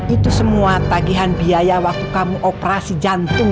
itu semua tagihan biaya waktu kamu operasi jantung